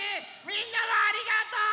みんなもありがとう！